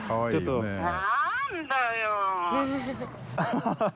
ハハハ